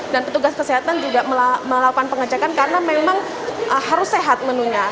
dan petugas kesehatan juga melakukan pengecekan karena memang harus sehat menunya